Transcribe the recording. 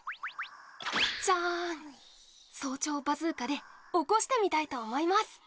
じゃーん、早朝バズーカで起こしてみたいと思います。